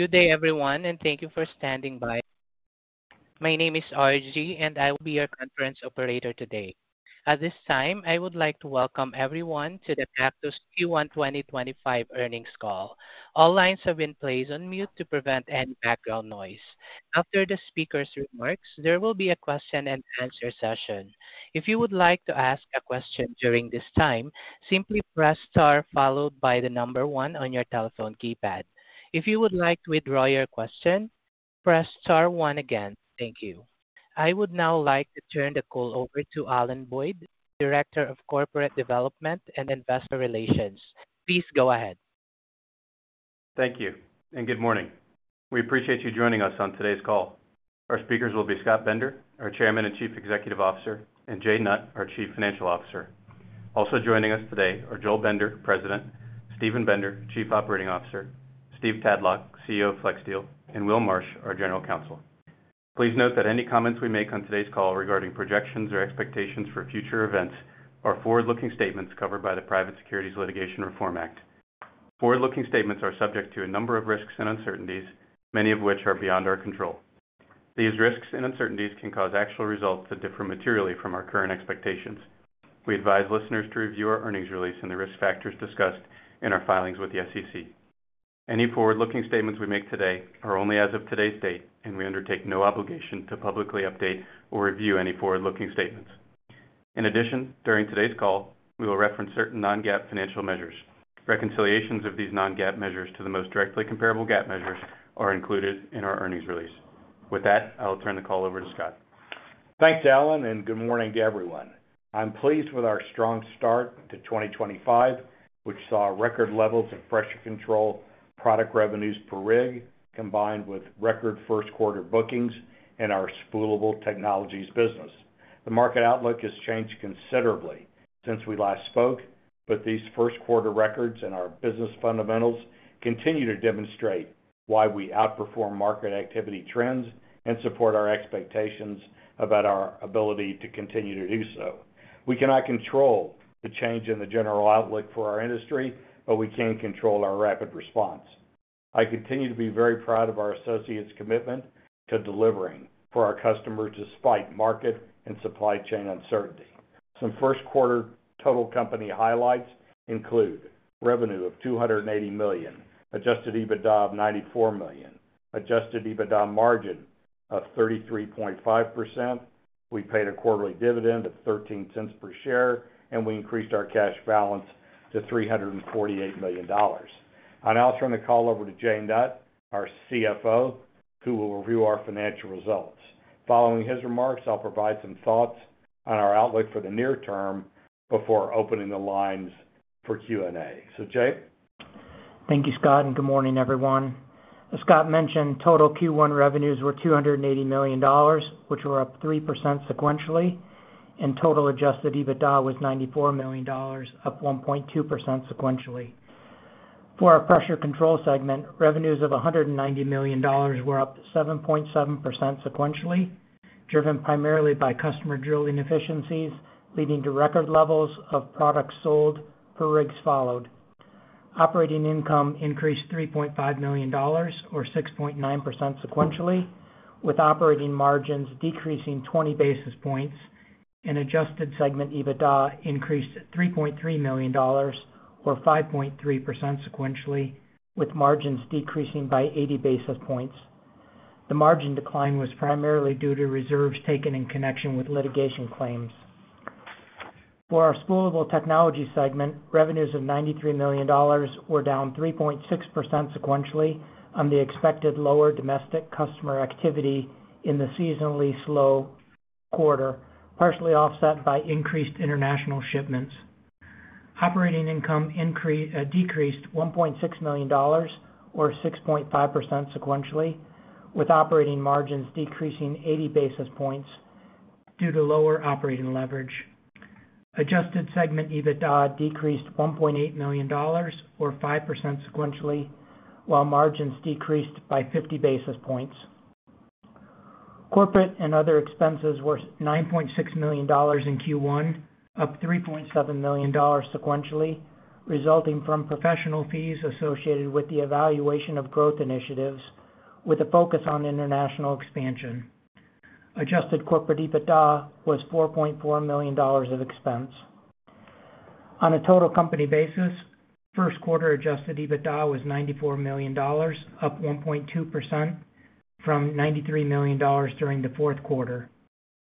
Good day, everyone, and thank you for standing by. My name is Argie, and I will be your conference operator today. At this time, I would like to welcome everyone to the Cactus Q1 2025 earnings call. All lines have been placed on mute to prevent any background noise. After the speaker's remarks, there will be a question-and-answer session. If you would like to ask a question during this time, simply press star followed by the number one on your telephone keypad. If you would like to withdraw your question, press star one again. Thank you. I would now like to turn the call over to Alan Boyd, Director of Corporate Development and Investor Relations. Please go ahead. Thank you, and good morning. We appreciate you joining us on today's call. Our speakers will be Scott Bender, our Chairman and Chief Executive Officer, and Jay Nutt, our Chief Financial Officer. Also joining us today are Joel Bender, President; Steven Bender, Chief Operating Officer; Steve Tadlock, CEO of FlexSteel; and Will Marsh, our General Counsel. Please note that any comments we make on today's call regarding projections or expectations for future events are forward-looking statements covered by the Private Securities Litigation Reform Act. Forward-looking statements are subject to a number of risks and uncertainties, many of which are beyond our control. These risks and uncertainties can cause actual results that differ materially from our current expectations. We advise listeners to review our earnings release and the risk factors discussed in our filings with the SEC. Any forward-looking statements we make today are only as of today's date, and we undertake no obligation to publicly update or review any forward-looking statements. In addition, during today's call, we will reference certain non-GAAP financial measures. Reconciliations of these non-GAAP measures to the most directly comparable GAAP measures are included in our earnings release. With that, I'll turn the call over to Scott. Thanks, Alan, and good morning to everyone. I'm pleased with our strong start to 2025, which saw record levels of Pressure Control product revenues per rig, combined with record first-quarter bookings in our Spoolable Technologies business. The market outlook has changed considerably since we last spoke, but these first-quarter records and our business fundamentals continue to demonstrate why we outperform market activity trends and support our expectations about our ability to continue to do so. We cannot control the change in the general outlook for our industry, but we can control our rapid response. I continue to be very proud of our associates' commitment to delivering for our customers despite market and supply chain uncertainty. Some Q1 total company highlights include revenue of $280 million, Adjusted EBITDA of $94 million, Adjusted EBITDA margin of 33.5%. We paid a quarterly dividend of $0.13 per share, and we increased our cash balance to $348 million. I'll now turn the call over to Jay Nutt, our CFO, who will review our financial results. Following his remarks, I'll provide some thoughts on our outlook for the near term before opening the lines for Q&A. Jay? Thank you, Scott, and good morning, everyone. As Scott mentioned, total Q1 revenues were $280 million, which were up 3% sequentially, and total Adjusted EBITDA was $94 million, up 1.2% sequentially. For our Pressure Control segment, revenues of $190 million were up 7.7% sequentially, driven primarily by customer drilling efficiencies leading to record levels of products sold per rig followed. Operating income increased $3.5 million, or 6.9% sequentially, with operating margins decreasing 20 basis points, and Adjusted segment EBITDA increased $3.3 million, or 5.3% sequentially, with margins decreasing by 80 basis points. The margin decline was primarily due to reserves taken in connection with litigation claims. For our Spoolable Technologies segment, revenues of $93 million were down 3.6% sequentially on the expected lower domestic customer activity in the seasonally slow quarter, partially offset by increased international shipments. Operating income decreased $1.6 million, or 6.5% sequentially, with operating margins decreasing 80 basis points due to lower operating leverage. Adjusted segment EBITDA decreased $1.8 million, or 5% sequentially, while margins decreased by 50 basis points. Corporate and other expenses were $9.6 million in Q1, up $3.7 million sequentially, resulting from professional fees associated with the evaluation of growth initiatives with a focus on international expansion. Adjusted corporate EBITDA was $4.4 million of expense. On a total company basis, Q1 Adjusted EBITDA was $94 million, up 1.2% from $93 million during the Q4.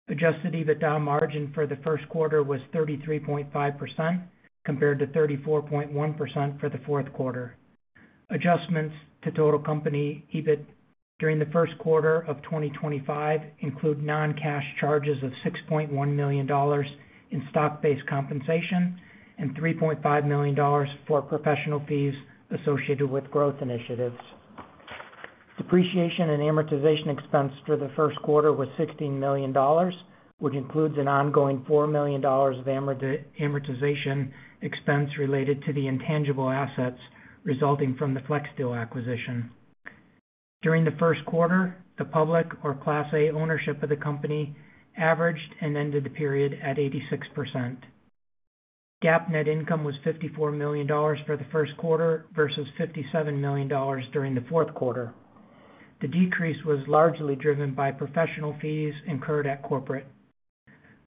Adjusted EBITDA margin for the first quarter was 33.5% compared to 34.1% for the Q4. Adjustments to total company EBIT during the Q1 of 2025 include non-cash charges of $6.1 million in stock-based compensation and $3.5 million for professional fees associated with growth initiatives. Depreciation and amortization expense for the Q1 was $16 million, which includes an ongoing $4 million of amortization expense related to the intangible assets resulting from the FlexSteel acquisition. During the Q1, the public or Class A ownership of the company averaged and ended the period at 86%. GAAP net income was $54 million for the Q1 versus $57 million during the Q4. The decrease was largely driven by professional fees incurred at corporate.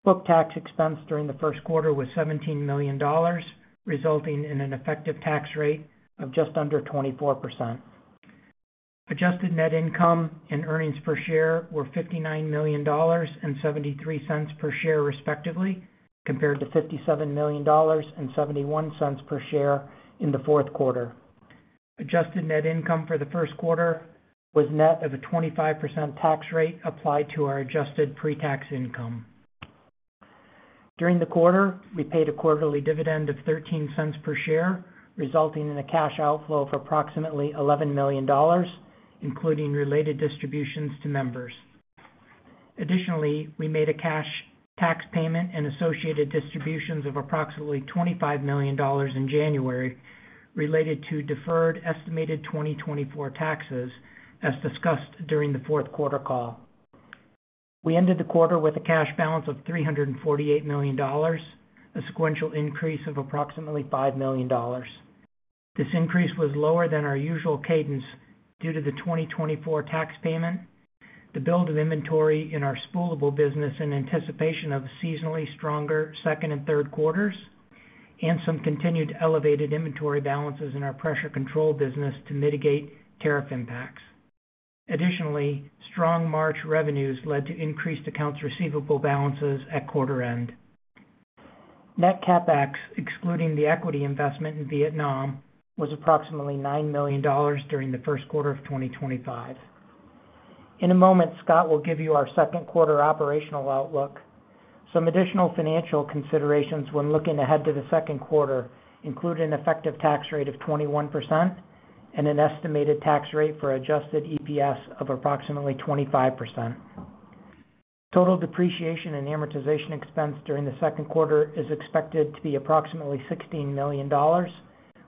Book tax expense during the Q1 was $17 million, resulting in an effective tax rate of just under 24%. Adjusted net income and earnings per share were $59 million and $0.73 per share, respectively, compared to $57 million and $0.71 per share in the Q4. Adjusted net income for the Q1 was net of a 25% tax rate applied to our adjusted pre-tax income. During the quarter, we paid a quarterly dividend of $0.13 per share, resulting in a cash outflow of approximately $11 million, including related distributions to members. Additionally, we made a cash tax payment and associated distributions of approximately $25 million in January related to deferred estimated 2024 taxes, as discussed during the Q4 call. We ended the quarter with a cash balance of $348 million, a sequential increase of approximately $5 million. This increase was lower than our usual cadence due to the 2024 tax payment, the build of inventory in our spoolable business in anticipation of seasonally stronger second and third quarters, and some continued elevated inventory balances in our Pressure Control business to mitigate tariff impacts. Additionally, strong March revenues led to increased accounts receivable balances at quarter end. Net CapEx, excluding the equity investment in Vietnam, was approximately $9 million during the Q1 of 2025. In a moment, Scott will give you our second quarter operational outlook. Some additional financial considerations when looking ahead to the Q2 include an effective tax rate of 21% and an estimated tax rate for adjusted EPS of approximately 25%. Total depreciation and amortization expense during the second quarter is expected to be approximately $16 million,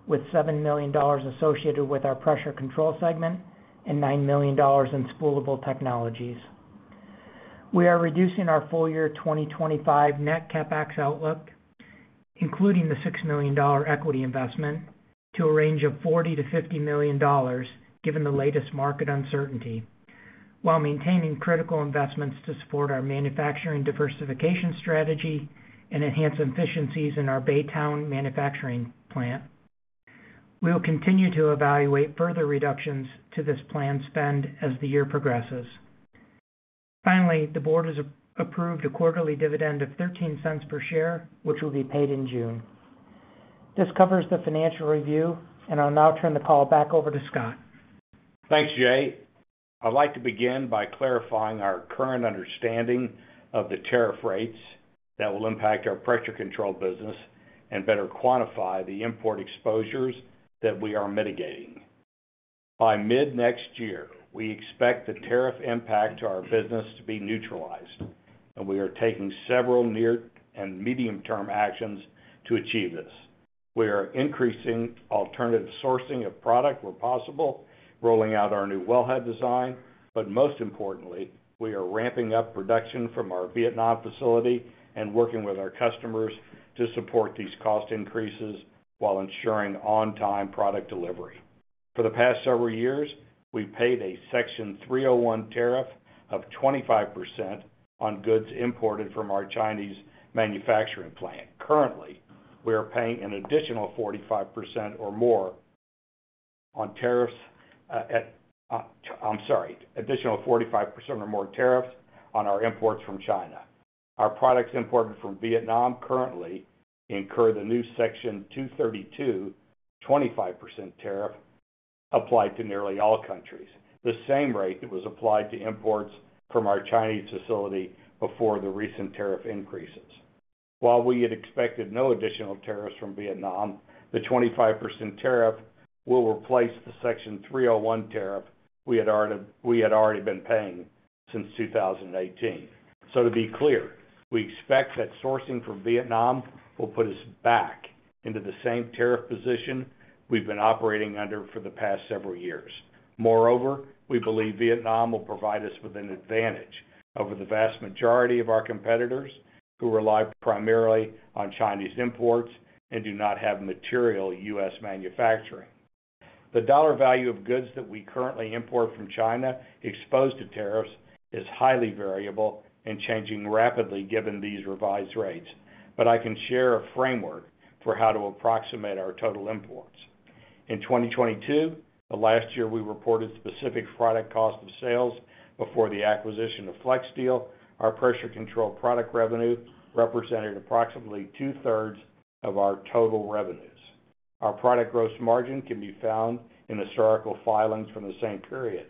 with $7 million associated with our Pressure Control segment and $9 million in Spoolable Technologies. We are reducing our full year 2025 net CapEx outlook, including the $6 million equity investment, to a range of $40-$50 million given the latest market uncertainty, while maintaining critical investments to support our manufacturing diversification strategy and enhance efficiencies in our Baytown manufacturing plant. We will continue to evaluate further reductions to this planned spend as the year progresses. Finally, the board has approved a quarterly dividend of $0.13 per share, which will be paid in June. This covers the financial review, and I'll now turn the call back over to Scott. Thanks, Jay. I'd like to begin by clarifying our current understanding of the tariff rates that will impact our Pressure Control business and better quantify the import exposures that we are mitigating. By mid-next year, we expect the tariff impact to our business to be neutralized, and we are taking several near and medium-term actions to achieve this. We are increasing alternative sourcing of product where possible, rolling out our new wellhead design, but most importantly, we are ramping up production from our Vietnam facility and working with our customers to support these cost increases while ensuring on-time product delivery. For the past several years, we've paid a Section 301 tariff of 25% on goods imported from our Chinese manufacturing plant. Currently, we are paying an additional 45% or more on tariffs on our imports from China. Our products imported from Vietnam currently incur the new Section 232, 25% tariff applied to nearly all countries, the same rate that was applied to imports from our Chinese facility before the recent tariff increases. While we had expected no additional tariffs from Vietnam, the 25% tariff will replace the Section 301 tariff we had already been paying since 2018. To be clear, we expect that sourcing from Vietnam will put us back into the same tariff position we've been operating under for the past several years. Moreover, we believe Vietnam will provide us with an advantage over the vast majority of our competitors who rely primarily on Chinese imports and do not have material U.S. manufacturing. The dollar value of goods that we currently import from China exposed to tariffs is highly variable and changing rapidly given these revised rates, but I can share a framework for how to approximate our total imports. In 2022, the last year we reported specific product cost of sales before the acquisition of FlexSteel, our Pressure Control product revenue represented approximately two-thirds of our total revenues. Our product gross margin can be found in historical filings from the same period.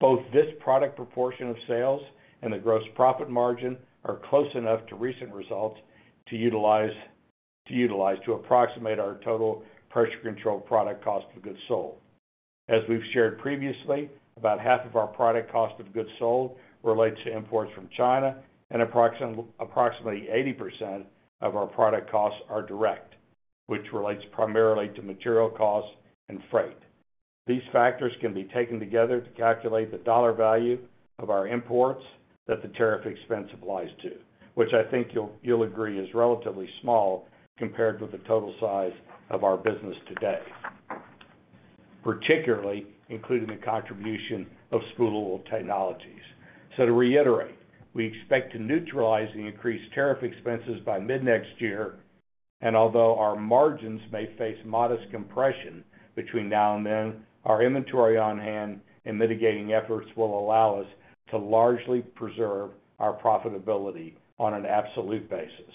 Both this product proportion of sales and the gross profit margin are close enough to recent results to utilize to approximate our total Pressure Control product cost of goods sold. As we've shared previously, about half of our product cost of goods sold relates to imports from China, and approximately 80% of our product costs are direct, which relates primarily to material costs and freight. These factors can be taken together to calculate the dollar value of our imports that the tariff expense applies to, which I think you'll agree is relatively small compared with the total size of our business today, particularly including the contribution of Spoolable Technologies. To reiterate, we expect to neutralize the increased tariff expenses by mid-next year, and although our margins may face modest compression between now and then, our inventory on hand and mitigating efforts will allow us to largely preserve our profitability on an absolute basis.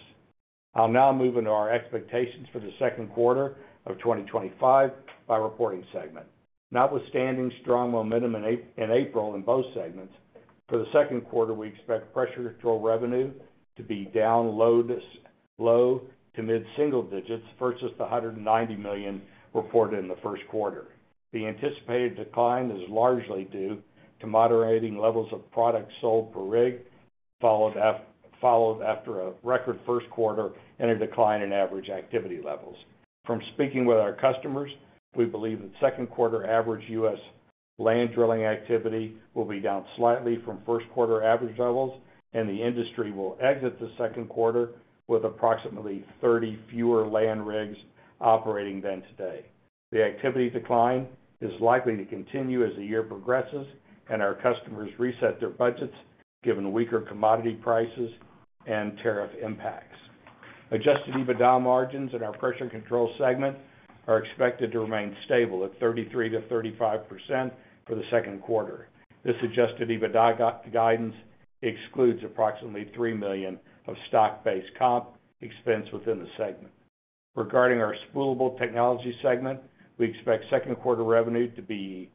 I'll now move into our expectations for the Q2 of 2025 by reporting segment. Notwithstanding strong momentum in April in both segments, for the second quarter, we expect Pressure Control revenue to be down low to mid-single digits versus the $190 million reported in the Q1. The anticipated decline is largely due to moderating levels of product sold per rig followed after a record first quarter and a decline in average activity levels. From speaking with our customers, we believe that second quarter average U.S. land drilling activity will be down slightly from first quarter average levels, and the industry will exit the second quarter with approximately 30 fewer land rigs operating than today. The activity decline is likely to continue as the year progresses and our customers reset their budgets given weaker commodity prices and tariff impacts. Adjusted EBITDA margins in our Pressure Control segment are expected to remain stable at 33%-35% for the second quarter. This Adjusted EBITDA guidance excludes approximately $3 million of stock-based comp expense within the segment. Regarding our Spoolable Technologies segment, we expect second quarter revenue to be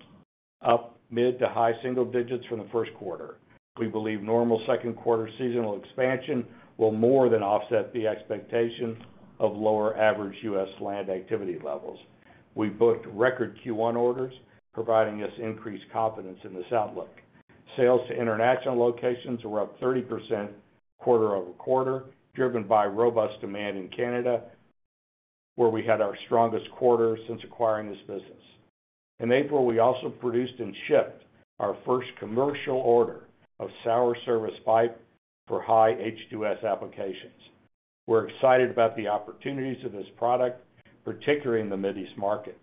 up mid to high single digits from the Q1. We believe normal second quarter seasonal expansion will more than offset the expectation of lower average U.S. land activity levels. We booked record Q1 orders, providing us increased confidence in this outlook. Sales to international locations were up 30% quarter-over-quarter, driven by robust demand in Canada, where we had our strongest quarter since acquiring this business. In April, we also produced and shipped our first commercial order of sour service pipe for high H2S applications. We're excited about the opportunities of this product, particularly in the Middle East market.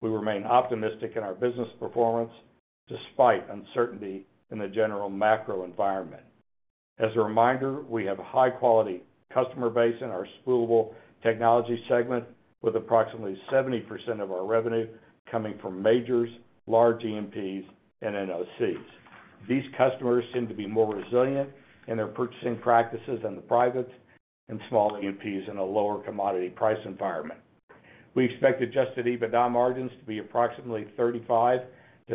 We remain optimistic in our business performance despite uncertainty in the general macro environment. As a reminder, we have a high-quality customer base in our Spoolable Technologies segment, with approximately 70% of our revenue coming from majors, large E&Ps, and NOCs. These customers seem to be more resilient in their purchasing practices than the privates and small E&Ps in a lower commodity price environment. We expect Adjusted EBITDA margins to be approximately 35-37%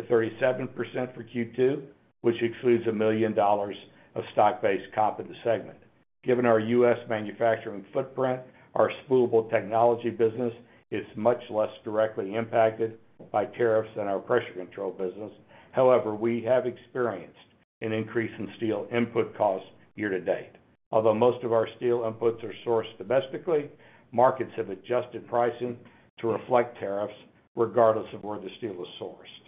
for Q2, which excludes $1 million of stock-based comp in the segment. Given our U.S. manufacturing footprint, our Spoolable Technologies business is much less directly impacted by tariffs than our Pressure Control business. However, we have experienced an increase in steel input costs year to date. Although most of our steel inputs are sourced domestically, markets have adjusted pricing to reflect tariffs regardless of where the steel is sourced.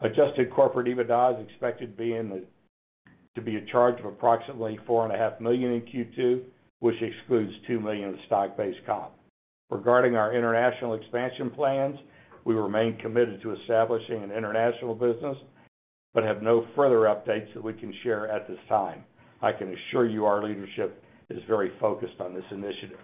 Adjusted corporate EBITDA is expected to be a charge of approximately $4.5 million in Q2, which excludes $2 million of stock-based comp. Regarding our international expansion plans, we remain committed to establishing an international business but have no further updates that we can share at this time. I can assure you our leadership is very focused on this initiative.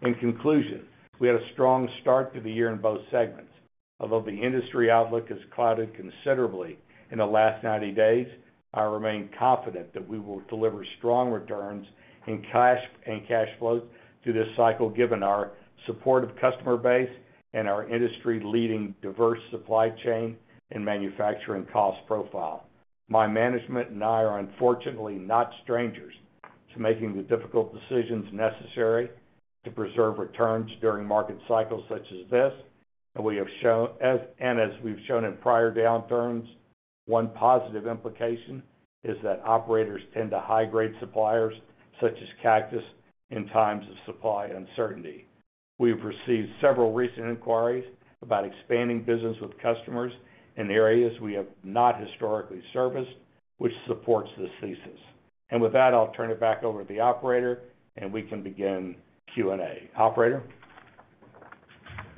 In conclusion, we had a strong start to the year in both segments. Although the industry outlook has clouded considerably in the last 90 days, I remain confident that we will deliver strong returns in cash and cash flows through this cycle given our supportive customer base and our industry-leading diverse supply chain and manufacturing cost profile. My management and I are unfortunately not strangers to making the difficult decisions necessary to preserve returns during market cycles such as this, and as we have shown in prior downturns, one positive implication is that operators tend to high-grade suppliers such as Cactus in times of supply uncertainty. We've received several recent inquiries about expanding business with customers in areas we have not historically serviced, which supports this thesis. With that, I'll turn it back over to the operator, and we can begin Q&A. Operator.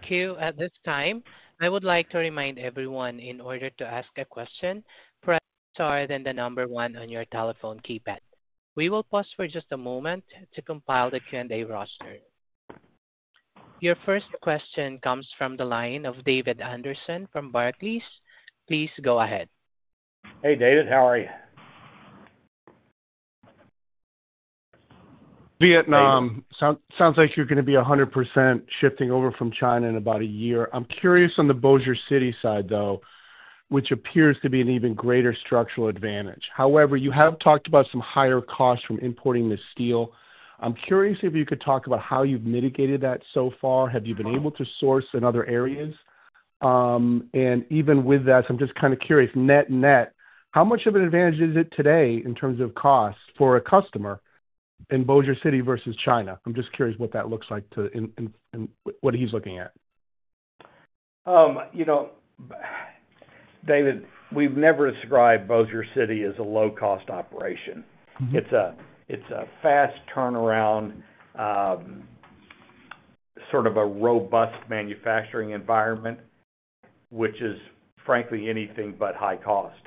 Thank you. At this time, I would like to remind everyone in order to ask a question press star then the number one on your telephone keypad. We will pause for just a moment to compile the Q&A roster. Your first question comes from the line of David Anderson from Barclays. Please go ahead. Hey, David. How are you? Vietnam. Sounds like you're going to be 100% shifting over from China in about a year. I'm curious on the Baytown side, though, which appears to be an even greater structural advantage. However, you have talked about some higher costs from importing the steel. I'm curious if you could talk about how you've mitigated that so far. Have you been able to source in other areas? Even with that, I'm just kind of curious, net-net, how much of an advantage is it today in terms of cost for a customer in Baytown versus China? I'm just curious what that looks like to what he's looking at. You know, David, we've never described Baytown as a low-cost operation. It's a fast turnaround, sort of a robust manufacturing environment, which is frankly anything but high cost.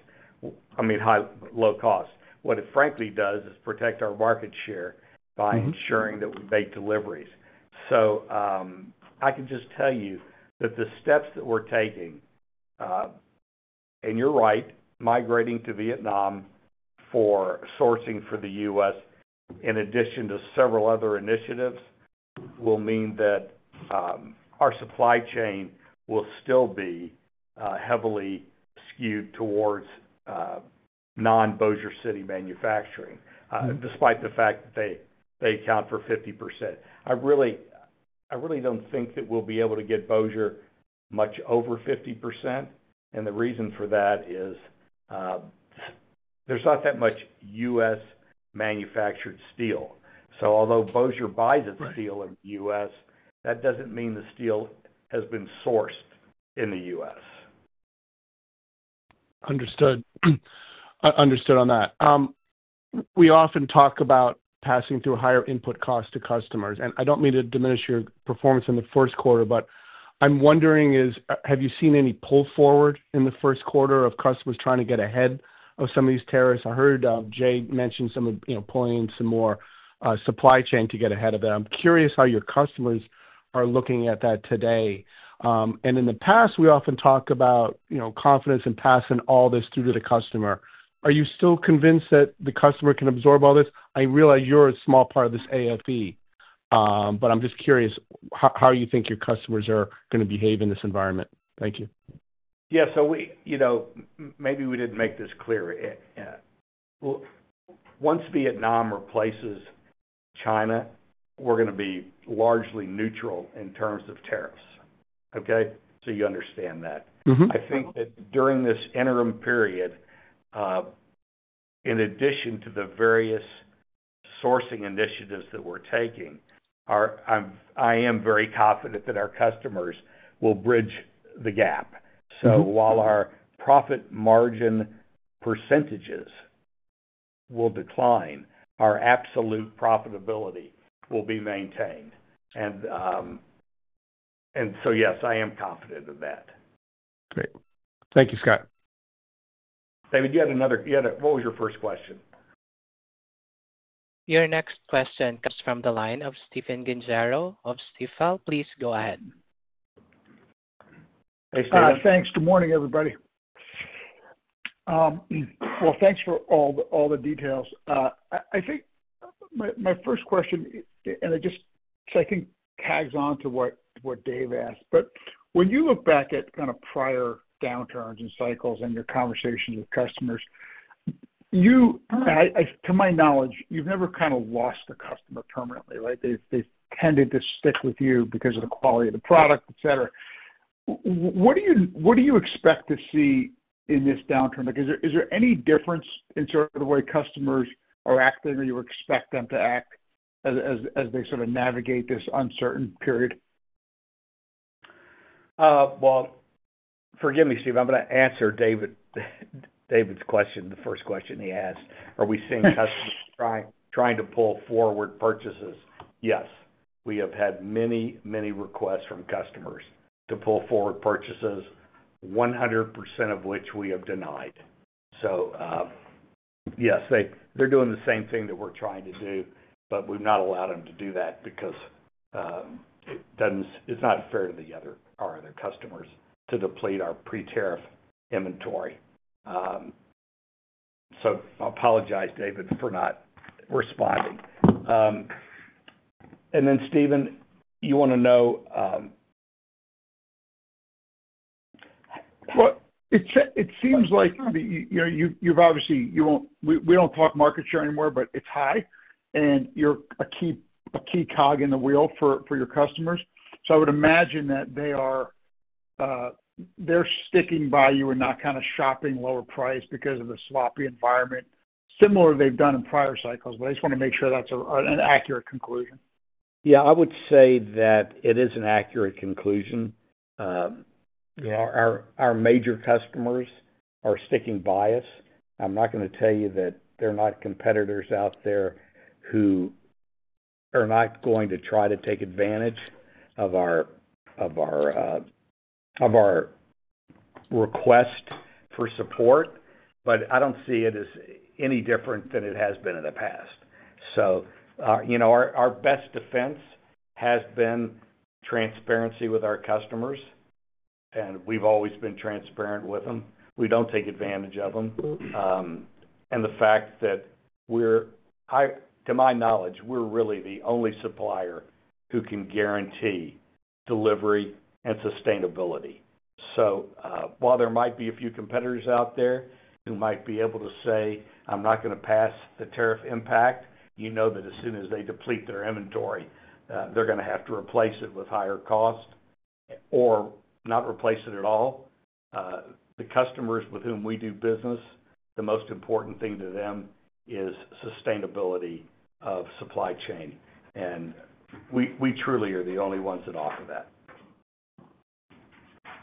I mean, high low cost. What it frankly does is protect our market share by ensuring that we make deliveries. I can just tell you that the steps that we're taking, and you're right, migrating to Vietnam for sourcing for the U.S., in addition to several other initiatives, will mean that our supply chain will still be heavily skewed towards non-Baytown manufacturing, despite the fact that they account for 50%. I really don't think that we'll be able to get Baytown much over 50%, and the reason for that is there's not that much U.S. manufactured steel. Although Baytown buys its steel in the U.S., that doesn't mean the steel has been sourced in the U.S. Understood. Understood on that. We often talk about passing through higher input costs to customers, and I do not mean to diminish your performance in the first quarter, but I am wondering, have you seen any pull forward in the first quarter of customers trying to get ahead of some of these tariffs? I heard Jay mention some of pulling in some more supply chain to get ahead of it. I am curious how your customers are looking at that today. In the past, we often talk about confidence in passing all this through to the customer. Are you still convinced that the customer can absorb all this? I realize you are a small part of this AFE, but I am just curious how you think your customers are going to behave in this environment. Thank you. Yeah. Maybe we did not make this clear. Once Vietnam replaces China, we are going to be largely neutral in terms of tariffs. Okay? You understand that. I think that during this interim period, in addition to the various sourcing initiatives that we are taking, I am very confident that our customers will bridge the gap. While our profit margin percentages will decline, our absolute profitability will be maintained. Yes, I am confident of that. Great. Thank you, Scott. David, you had another what was your first question? Your next question comes from the line of Stephen Gengaro of Stifel. Please go ahead. Hey, Stephen. Thanks. Good morning, everybody. Thanks for all the details. I think my first question, and I just so I think it tags on to what David asked, but when you look back at kind of prior downturns and cycles and your conversations with customers, to my knowledge, you've never kind of lost a customer permanently, right? They've tended to stick with you because of the quality of the product, etc. What do you expect to see in this downturn? Is there any difference in sort of the way customers are acting or you expect them to act as they sort of navigate this uncertain period? Forgive me, Steve. I'm going to answer David's question, the first question he asked. Are we seeing customers trying to pull forward purchases? Yes. We have had many, many requests from customers to pull forward purchases, 100% of which we have denied. Yes, they're doing the same thing that we're trying to do, but we've not allowed them to do that because it's not fair to our other customers to deplete our pre-tariff inventory. I apologize, David, for not responding. Stephen, you want to know. It seems like you've obviously we don't talk market share anymore, but it's high, and you're a key cog in the wheel for your customers. I would imagine that they're sticking by you and not kind of shopping lower price because of the supply environment, similar to what they've done in prior cycles, but I just want to make sure that's an accurate conclusion. Yeah. I would say that it is an accurate conclusion. Our major customers are sticking by us. I'm not going to tell you that there are not competitors out there who are not going to try to take advantage of our request for support, but I do not see it as any different than it has been in the past. Our best defense has been transparency with our customers, and we've always been transparent with them. We do not take advantage of them. The fact that we're, to my knowledge, really the only supplier who can guarantee delivery and sustainability. While there might be a few competitors out there who might be able to say, "I'm not going to pass the tariff impact," you know that as soon as they deplete their inventory, they're going to have to replace it with higher cost or not replace it at all. The customers with whom we do business, the most important thing to them is sustainability of supply chain. And we truly are the only ones that offer that.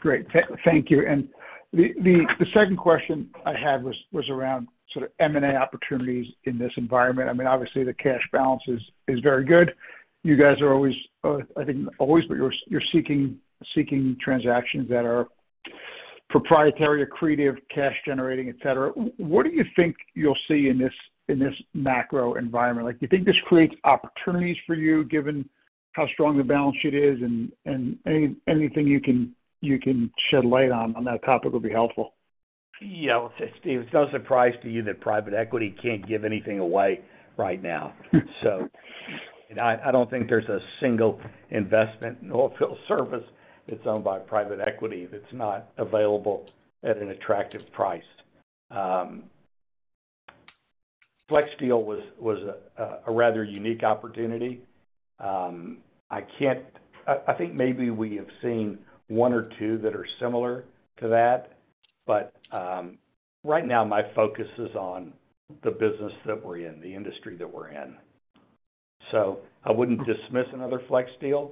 Great. Thank you. The second question I had was around sort of M&A opportunities in this environment. I mean, obviously, the cash balance is very good. You guys are always, I think, always, but you're seeking transactions that are proprietary, accretive, cash-generating, etc. What do you think you'll see in this macro environment? Do you think this creates opportunities for you given how strong the balance sheet is? Anything you can shed light on that topic would be helpful. Yeah. I'll say, Steve, it's no surprise to you that private equity can't give anything away right now. I don't think there's a single investment or service that's owned by private equity that's not available at an attractive price. FlexSteel was a rather unique opportunity. I think maybe we have seen one or two that are similar to that, but right now, my focus is on the business that we're in, the industry that we're in. I wouldn't dismiss another FlexSteel,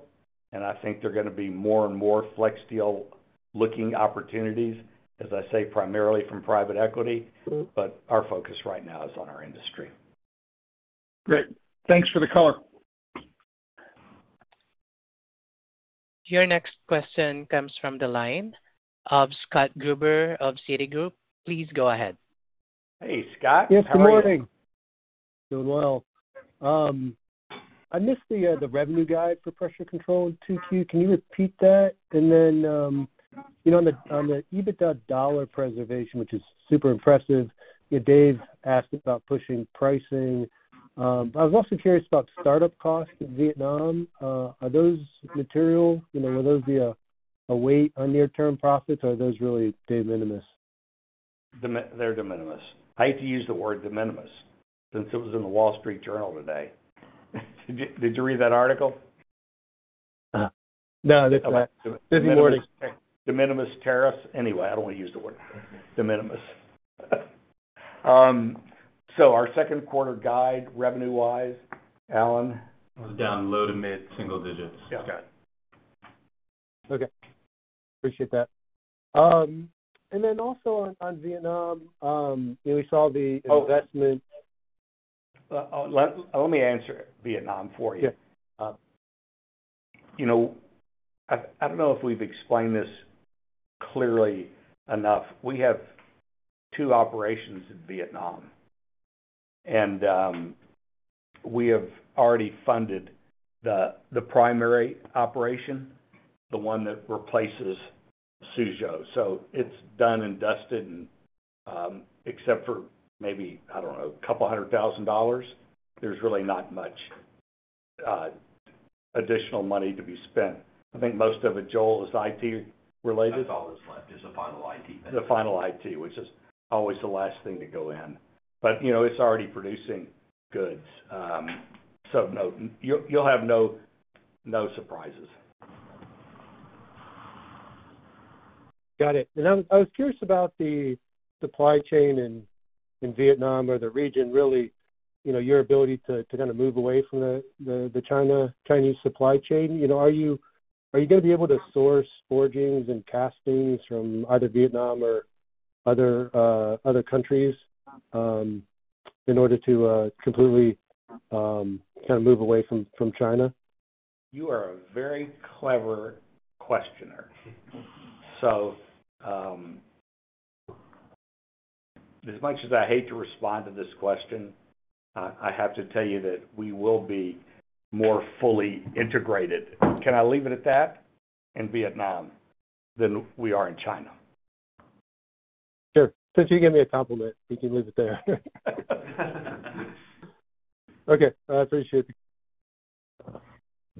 and I think there are going to be more and more FlexSteel-looking opportunities, as I say, primarily from private equity, but our focus right now is on our industry. Great. Thanks for the color. Your next question comes from the line of Scott Gruber of Citi. Please go ahead. Hey, Scott. Yes, good morning. Doing well. I missed the revenue guide for Pressure Control in 2Q. Can you repeat that? On the EBITDA dollar preservation, which is super impressive, Dave asked about pushing pricing. I was also curious about startup costs in Vietnam. Are those material? Will those be a weight on near-term profits, or are those really de minimis? They're de minimis. I hate to use the word de minimis since it was in the Wall Street Journal today. Did you read that article? No, that's fine. Good morning. De minimis tariffs. Anyway, I don't want to use the word de minimis. So our second quarter guide, revenue-wise, Alan? It was down low to mid single digits. Yeah. Okay. Appreciate that. Also on Vietnam, we saw the investment. Let me answer Vietnam for you. I do not know if we have explained this clearly enough. We have two operations in Vietnam, and we have already funded the primary operation, the one that replaces Suzhou. It is done and dusted, and except for maybe, I do not know, a couple hundred thousand dollars, there is really not much additional money to be spent. I think most of it, Joel, is IT-related. That's all that's left is the final IT vendor. The final IT, which is always the last thing to go in. It is already producing goods. You will have no surprises. Got it. I was curious about the supply chain in Vietnam or the region, really your ability to kind of move away from the Chinese supply chain. Are you going to be able to source forgings and castings from either Vietnam or other countries in order to completely kind of move away from China? You are a very clever questioner. As much as I hate to respond to this question, I have to tell you that we will be more fully integrated. Can I leave it at that? In Vietnam than we are in China. Sure. Since you gave me a compliment, we can leave it there. Okay. I appreciate it.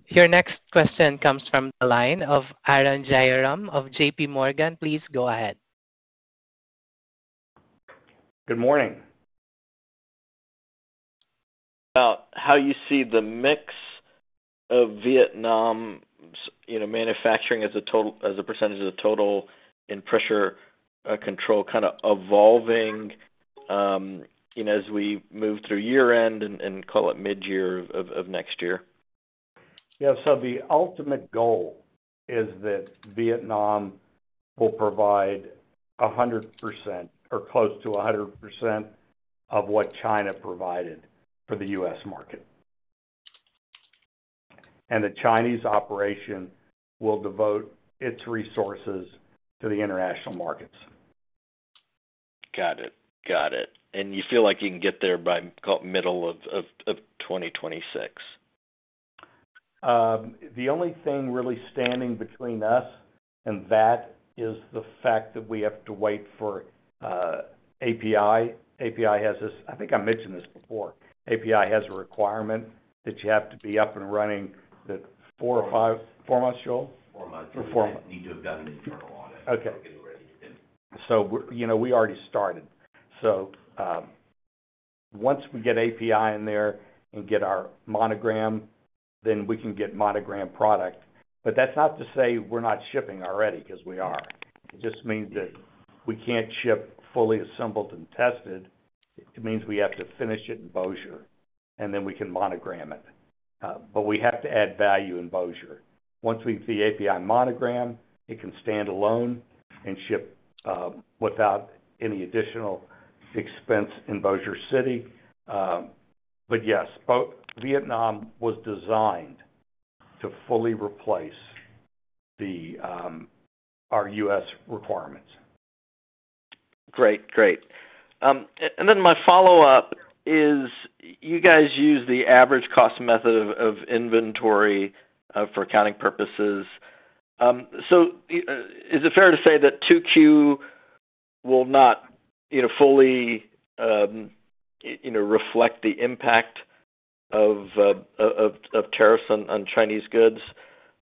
Your next question comes from the line of Arun Jayaram of JPMorgan. Please go ahead. Good morning. About how you see the mix of Vietnam manufacturing as a percentage of the total in Pressure Control kind of evolving as we move through year-end and call it mid-year of next year? Yeah. The ultimate goal is that Vietnam will provide 100% or close to 100% of what China provided for the U.S. market. The Chinese operation will devote its resources to the international markets. Got it. Got it. You feel like you can get there by middle of 2026? The only thing really standing between us and that is the fact that we have to wait for API. API has this—I think I mentioned this before—API has a requirement that you have to be up and running four months, Joel? Four months. You need to have done an internal audit to get it ready. We already started. Once we get API in there and get our monogram, then we can get monogram product. That is not to say we are not shipping already because we are. It just means that we cannot ship fully assembled and tested. It means we have to finish it in Baytown, and then we can monogram it. We have to add value in Baytown. Once we get the API monogram, it can stand alone and ship without any additional expense in Baytown. Yes, Vietnam was designed to fully replace our U.S. requirements. Great. Great. My follow-up is you guys use the average cost method of inventory for accounting purposes. Is it fair to say that 2Q will not fully reflect the impact of tariffs on Chinese goods?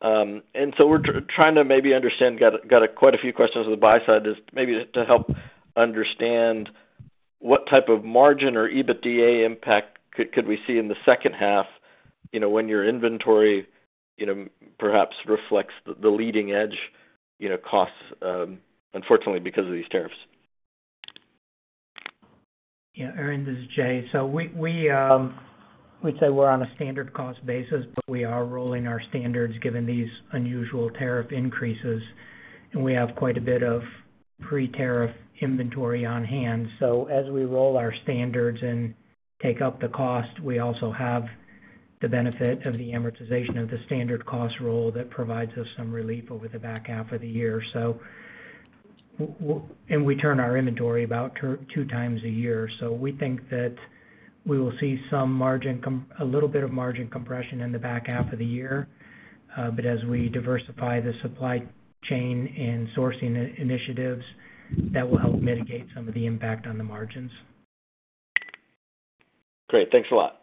We are trying to maybe understand—got quite a few questions on the buy-side—is maybe to help understand what type of margin or EBITDA impact could we see in the second half when your inventory perhaps reflects the leading-edge costs, unfortunately, because of these tariffs? Yeah. Aarun, this is Jay. We'd say we're on a standard cost basis, but we are rolling our standards given these unusual tariff increases, and we have quite a bit of pre-tariff inventory on hand. As we roll our standards and take up the cost, we also have the benefit of the amortization of the standard cost roll that provides us some relief over the back half of the year. We turn our inventory about two times a year. We think that we will see a little bit of margin compression in the back half of the year. As we diversify the supply chain and sourcing initiatives, that will help mitigate some of the impact on the margins. Great. Thanks a lot.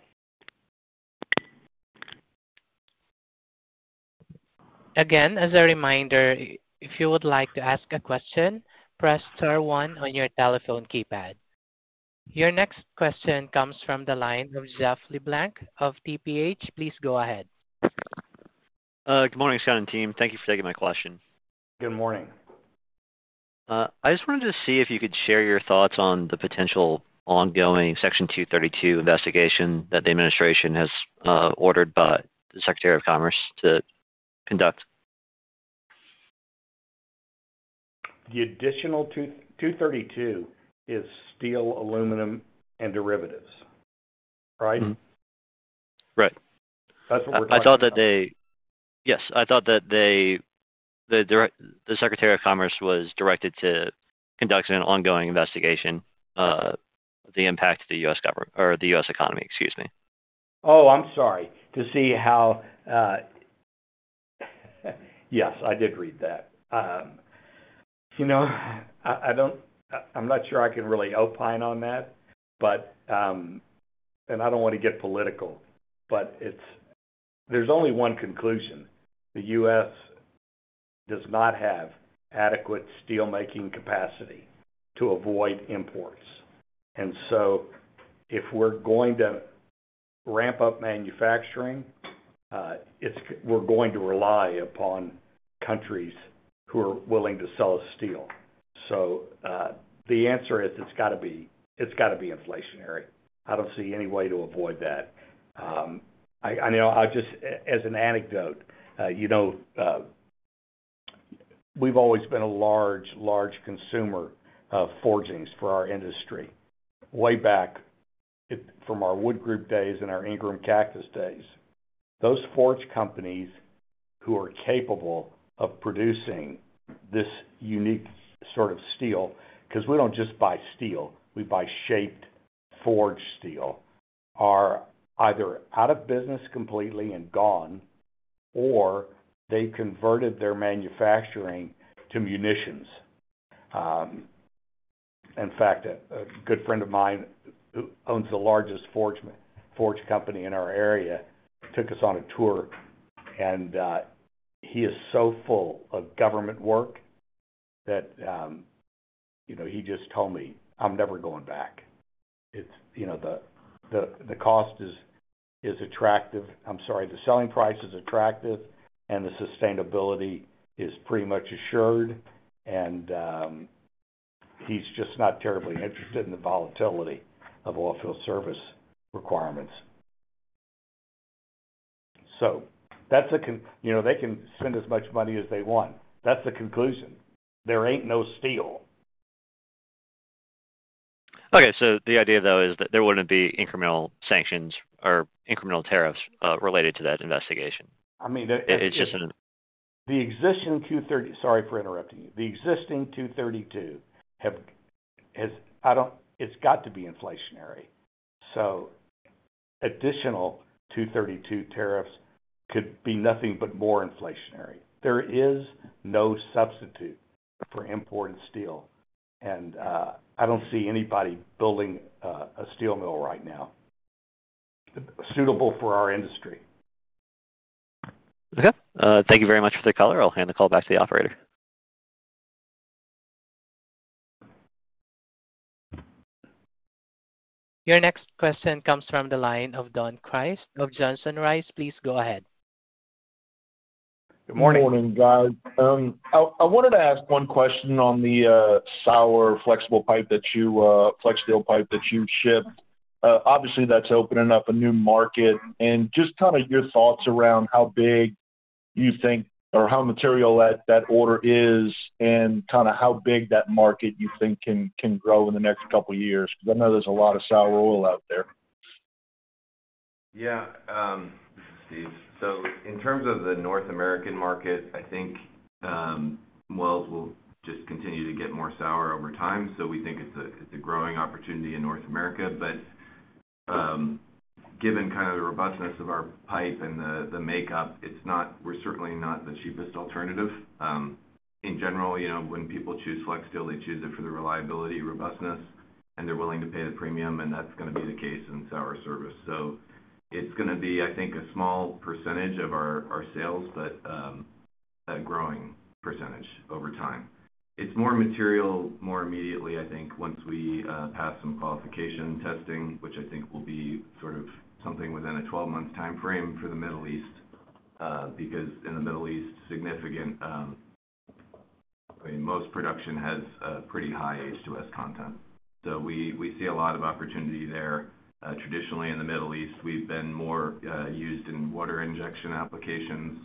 Again, as a reminder, if you would like to ask a question, press star one on your telephone keypad. Your next question comes from the line of Jeff LeBlanc of Deutsche Bank. Please go ahead. Good morning, Scott. And team, thank you for taking my question. Good morning. I just wanted to see if you could share your thoughts on the potential ongoing Section 232 investigation that the administration has ordered by the Secretary of Commerce to conduct. The additional 232 is steel, aluminum, and derivatives, right? Right. That's what we're talking about. Yes. I thought that the Secretary of Commerce was directed to conduct an ongoing investigation of the impact of the U.S. government or the U.S. economy, excuse me. Oh, I'm sorry. To see how—yes, I did read that. I'm not sure I can really opine on that, and I don't want to get political, but there's only one conclusion. The U.S. does not have adequate steelmaking capacity to avoid imports. If we're going to ramp up manufacturing, we're going to rely upon countries who are willing to sell us steel. The answer is it's got to be inflationary. I don't see any way to avoid that. I know just as an anecdote, we've always been a large, large consumer of forgings for our industry way back from our Wood Group days and our Ingram Cactus days. Those forge companies who are capable of producing this unique sort of steel—because we don't just buy steel, we buy shaped forged steel—are either out of business completely and gone, or they've converted their manufacturing to munitions. In fact, a good friend of mine who owns the largest forge company in our area took us on a tour, and he is so full of government work that he just told me, "I'm never going back." The cost is attractive. I'm sorry. The selling price is attractive, and the sustainability is pretty much assured. He is just not terribly interested in the volatility of oil field service requirements. That is a—they can spend as much money as they want. That is the conclusion. There ain't no steel. Okay. The idea, though, is that there wouldn't be incremental sanctions or incremental tariffs related to that investigation. I mean, it's just—the existing 232—sorry for interrupting you. The existing 232 has—it's got to be inflationary. Additional 232 tariffs could be nothing but more inflationary. There is no substitute for imported steel, and I don't see anybody building a steel mill right now suitable for our industry. Okay. Thank you very much for the caller. I'll hand the call back to the operator. Your next question comes from the line of Don Crist of Johnson Rice. Please go ahead. Good morning. Good morning, guys. I wanted to ask one question on the sour flexible pipe that you—FlexSteel pipe that you shipped. Obviously, that's opening up a new market. Just kind of your thoughts around how big you think or how material that order is and kind of how big that market you think can grow in the next couple of years because I know there's a lot of sour oil out there. Yeah. In terms of the North American market, I think wells will just continue to get more sour over time. We think it's a growing opportunity in North America. Given kind of the robustness of our pipe and the makeup, we're certainly not the cheapest alternative. In general, when people choose FlexSteel, they choose it for the reliability, robustness, and they're willing to pay the premium. That's going to be the case in sour service. It's going to be, I think, a small percentage of our sales, but a growing percentage over time. It's more material more immediately, I think, once we pass some qualification testing, which I think will be sort of something within a 12-month timeframe for the Middle East because in the Middle East, significant—I mean, most production has pretty high H2S content. We see a lot of opportunity there. Traditionally, in the Middle East, we've been more used in water injection applications,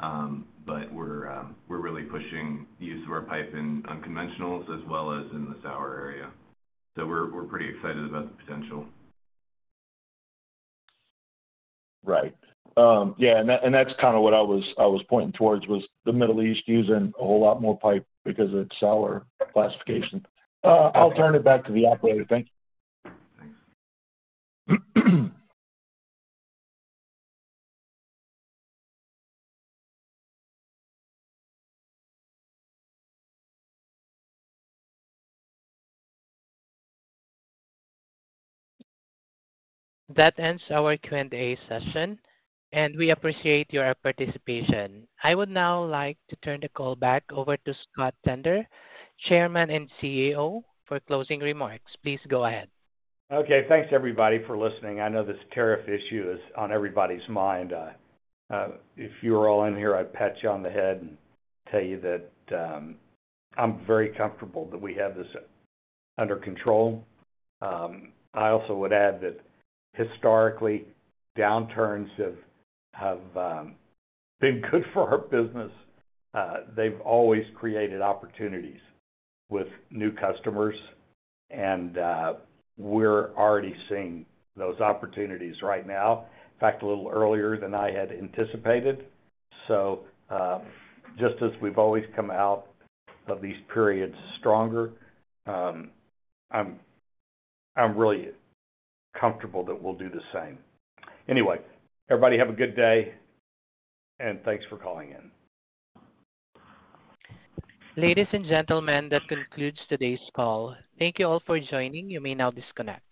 but we're really pushing the use of our pipe in unconventionals as well as in the sour area. We're pretty excited about the potential. Right. Yeah. That's kind of what I was pointing towards was the Middle East using a whole lot more pipe because of its sour classification. I'll turn it back to the operator. Thank you. Thanks. That ends our Q&A session, and we appreciate your participation. I would now like to turn the call back over to Scott Bender, Chairman and CEO, for closing remarks. Please go ahead. Okay. Thanks, everybody, for listening. I know this tariff issue is on everybody's mind. If you were all in here, I'd pat you on the head and tell you that I'm very comfortable that we have this under control. I also would add that historically, downturns have been good for our business. They've always created opportunities with new customers, and we're already seeing those opportunities right now, in fact, a little earlier than I had anticipated. Just as we've always come out of these periods stronger, I'm really comfortable that we'll do the same. Anyway, everybody have a good day, and thanks for calling in. Ladies and gentlemen, that concludes today's call. Thank you all for joining. You may now disconnect.